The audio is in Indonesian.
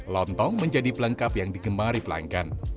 lontong menjadi pelengkap yang digemari pelanggan